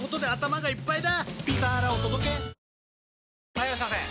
・はいいらっしゃいませ！